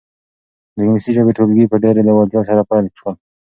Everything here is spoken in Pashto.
د انګلیسي ژبې ټولګي په ډېرې لېوالتیا سره پیل شول.